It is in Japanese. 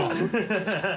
ハハハ